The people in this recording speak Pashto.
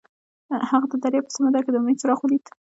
هغه د دریاب په سمندر کې د امید څراغ ولید.